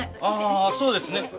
ああそうですね。